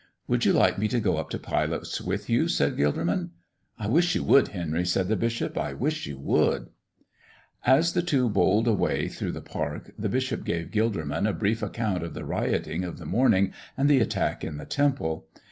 "Would you like me to go up to Pilate's with you?" asked Gilderman. "I wish you would, Henry," said the bishop. "I wish you would." As the two bowled away through the park, the bishop gave Gilderman a brief account of the rioting of the morning and the attack in the Temple.